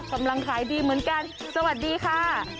กำลังขายดีเหมือนกันสวัสดีค่ะ